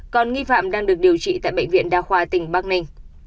còn nghi phạm đang được điều trị tại bệnh viện đa khoa tỉnh bắc ninh